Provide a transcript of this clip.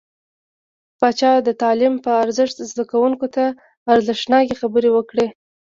پاچا د تعليم په ارزښت، زده کوونکو ته ارزښتناکې خبرې وکړې .